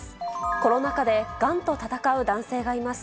コロナ禍でがんと闘う男性がいます。